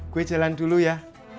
gue jalan dulu ya